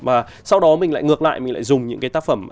và sau đó mình lại ngược lại mình lại dùng những cái tác phẩm